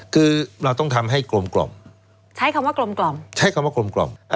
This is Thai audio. คือเราต้องทำให้กลมกล่อมใช้คำว่ากลมใช้คำว่ากลม